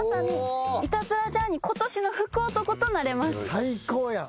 最高やん。